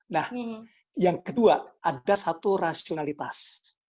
nah yang kedua ada satu rasionalitas